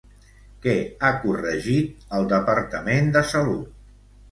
Què ha corregit el Departament de Salut?